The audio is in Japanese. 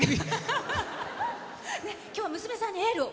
今日は、娘さんにエールを。